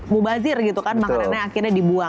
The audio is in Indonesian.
mubazir gitu kan makanannya akhirnya dibuang